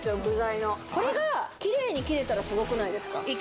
具材のこれがキレイに切れたらすごくないですか？